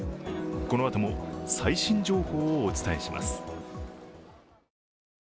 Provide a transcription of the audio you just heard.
このあとも最新情報をお伝えします。